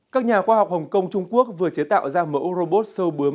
các nhà khoa học hồng kông trung quốc vừa chế tạo ra mẫu robot sâu bướm